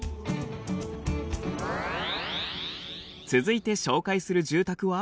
続いて紹介する住宅は。